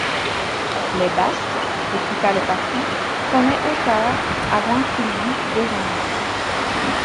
Les basques, répliqua le patron, prenaient hauteur avant qu’il y eût des anglais.